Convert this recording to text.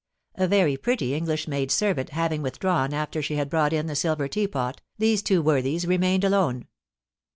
A very pretty English maid servant having withdrawn after she had brought in the silver teapot, these two worthies remained alone.